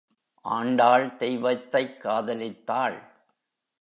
ஆண்டாள் தெய்வத்தைக் காதலித்தாள்.